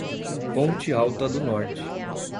Ponte Alta do Norte